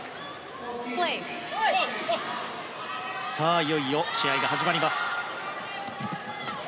いよいよ試合が始まります。